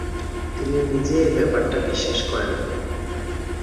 তিনি নিজে এই ব্যাপারটা বিশ্বাস করেন।